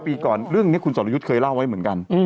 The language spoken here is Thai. ปีก่อนเรื่องนี้คุณสรยุทธ์เคยเล่าไว้เหมือนกัน